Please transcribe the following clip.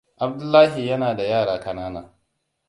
Abdullahi yana da yara kanana.